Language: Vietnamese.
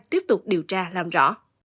tiếp tục điều tra làm rõ